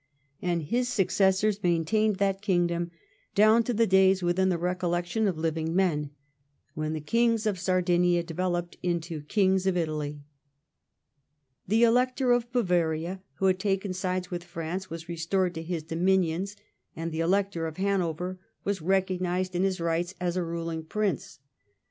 133 and his successors maintained that kingdom down to the days, within the recollection of living men, when the Kings of Sardinia developed into Kings of Italy. The Elector of Bavaria, who had taken sides with France, was restored to his dominions, and the Elector of Hanover was recognised in his rights as a ruling prince.